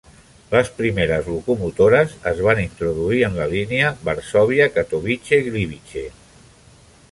Les primeres locomotores es van introduir en la línia Varsòvia-Katowice-Gliwice.